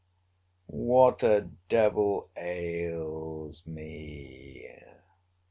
— What a devil ails me?